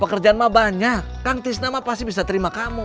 pekerjaan mah banyak kang tisna mah pasti bisa terima kamu